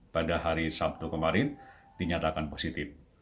pada hari sabtu kemarin dinyatakan positif